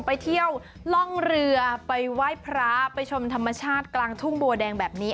ไปเที่ยวล่องเรือไปไหว้พระไปชมธรรมชาติกลางทุ่งบัวแดงแบบนี้